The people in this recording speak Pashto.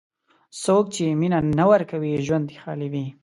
څوک چې مینه نه ورکوي، ژوند یې خالي وي.